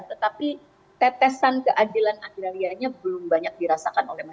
tetapi tetesan keadilan agrarianya belum banyak dirasakan oleh masyarakat